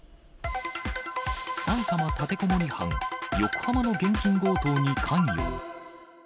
埼玉たてこもり犯、横浜の現金強盗に関与。